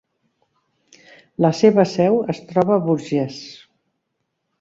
La seva seu es troba a Bourges.